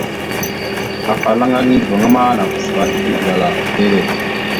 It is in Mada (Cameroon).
Afalaŋa nindəviŋáma napas va eɗe gwala lele.